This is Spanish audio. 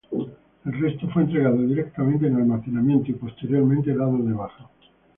El resto fue entregado directamente en almacenamiento y posteriormente dado de baja.